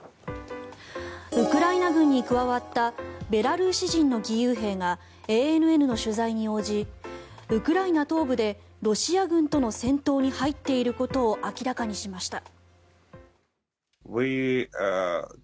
ウクライナ軍に加わったベラルーシ人の義勇兵がＡＮＮの取材に応じウクライナ東部でロシア軍との戦闘に入っていることを明らかにしました。